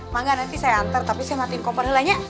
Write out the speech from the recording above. maka nanti saya anter tapi saya matiin kopernya lah ya